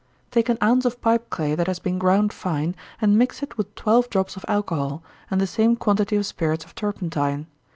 _ Take an ounce of pipe clay that has been ground fine, and mix it with twelve drops of alcohol, and the same quantity of spirits of turpentine.